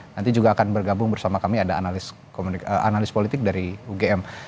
nanti juga akan bergabung bersama kami ada analis politik dari ugm